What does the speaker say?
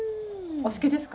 お好きですか？